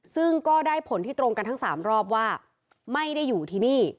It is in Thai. ซึ่งก็ได้ผลที่ตรงกันทั้ง๓รอบว่าไม่ได้อยู่ที่นี่